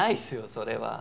それは。